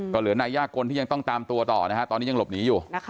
ก็เหลือนายยากลที่ยังต้องตามตัวต่อนะฮะตอนนี้ยังหลบหนีอยู่